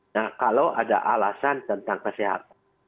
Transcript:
nah kalau ada alasan tentang kesehatan